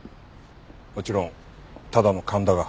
もちろんただの勘だが。